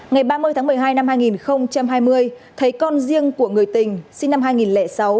ngày ba mươi tháng một mươi hai năm hai nghìn hai mươi thấy con riêng của người tình sinh năm hai nghìn sáu